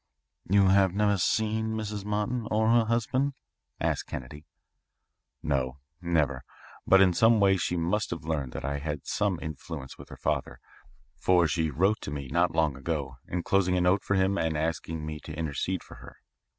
"You have never seen this Mrs. Martin or her husband?" asked Kennedy. "No, never. But in some way she must have learned that I had some influence with her father, for she wrote to me not long ago, enclosing a note for him and asking me to intercede for her.